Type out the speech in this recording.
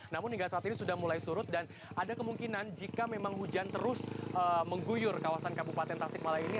namun hingga saat ini sudah mulai surut dan ada kemungkinan jika memang hujan terus mengguyur kawasan kabupaten tasikmalaya ini